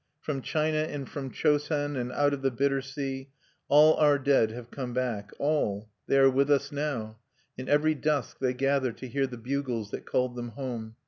From China and from Chosen, and out of the bitter sea, all our dead have come back, all! They are with us now. In every dusk they gather to hear the bugles that called them home.